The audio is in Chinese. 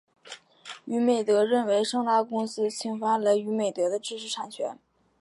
娱美德认为盛大公司侵犯了娱美德的知识产权。